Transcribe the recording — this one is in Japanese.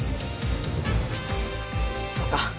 そうか。